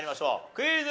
クイズ。